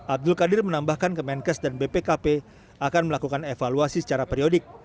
abdul qadir menambahkan kemenkes dan bpkp akan melakukan evaluasi secara periodik